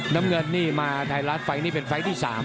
น้ำเงินนี่มาไทยรัฐไฟล์นี้เป็นไฟล์ที่๓